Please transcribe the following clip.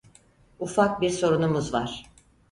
Ufak bir sorunumuz var.